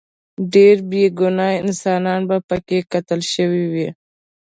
ډیر بې ګناه انسانان به پکې قتل شوي وي.